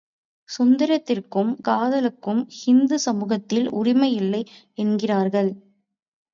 சுதந்திரத்துக்கும் காதலுக்கும் ஹிந்து சமூகத்தில் உரிமை இல்லை என்கிறார்கள்.